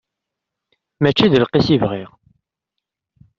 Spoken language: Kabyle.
Mačči d lqis i bɣiɣ.